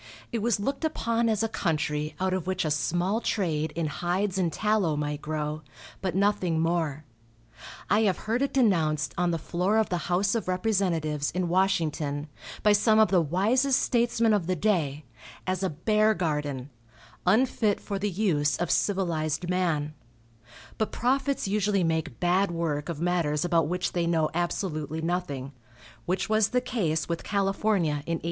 It was looked upon as a country out of which a small trade in hides and tallow might grow, but nothing more. I have heard it denounced on the floor of the house of representatives, in Washington, by some of the wisest statesmen of the day, as a bear garden, unfit for the use of civilized man; but prophets usually make bad work of matters about which they know absolutely nothing, which was the case with California in 1848.